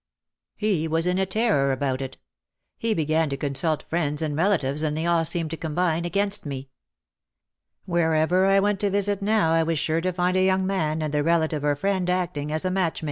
He was in terror about it. He began to consult friends and relatives and they all seemed to combine against me. Wherever I went to visit now I was sure to find a young man, and the relative or friend acting as matchmaker.